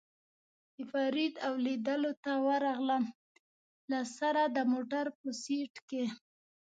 د فرید او لېدلو ته ورغلم، له سره د موټر په سېټ کې.